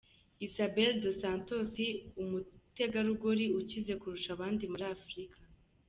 Isabel Dos Santos, umutegarugori ukize kurusha abandi muri Afurika.